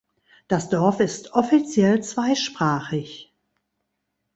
Das Dorf ist offiziell zweisprachig.